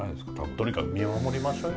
とにかく見守りましょうよ。